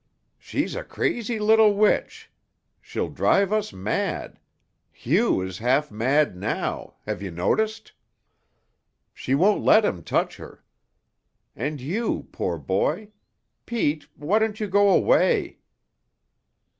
"She's a crazy little witch. She'll drive us mad. Hugh is half mad now have you noticed? She won't let him touch her. And you, poor boy! Pete, why don't you go away?"